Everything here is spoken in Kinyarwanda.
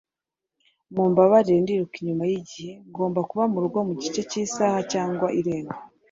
Mumbabarire Ndiruka inyuma yigihe ngomba kuba murugo mugice cyisaha cyangwa irenga